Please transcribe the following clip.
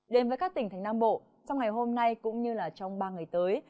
đến với các tỉnh thành nam bộ trong ngày hôm nay cũng như trong ba ngày tới